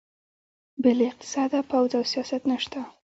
بې له اقتصاده پوځ او سیاست نشته.